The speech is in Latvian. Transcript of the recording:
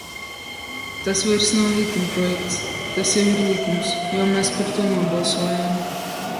Tas vairs nav likumprojekts, tas jau ir likums, jo mēs par to nobalsojām.